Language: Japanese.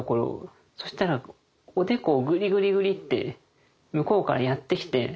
そしたらおでこをぐりぐりぐり！って向こうからやってきて。